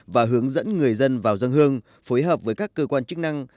và hướng dẫn người dân vào dân hương phối hợp với các cơ quan chức năng